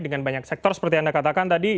dengan banyak sektor seperti anda katakan tadi